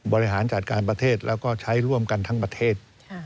บริหารจัดการประเทศแล้วก็ใช้ร่วมกันทั้งประเทศ